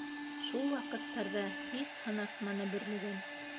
Шул ваҡыттарҙа һис һынатманы Бөрлөгән.